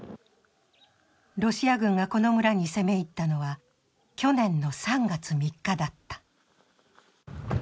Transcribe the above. ロシア軍がこの村に攻め入ったのは去年の３月３日だった。